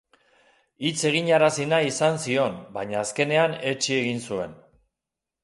Hitz eginarazi nahi izan zion, baina azkenean etsi egin zuen.